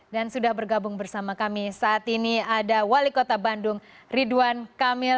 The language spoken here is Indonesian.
dan sudah bergabung bersama kami saat ini ada wali kota bandung ridwan kamil